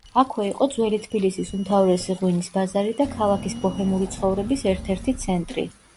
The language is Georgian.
აქვე იყო ძველი თბილისის უმთავრესი ღვინის ბაზარი და ქალაქის ბოჰემური ცხოვრების ერთ-ერთი ცენტრი.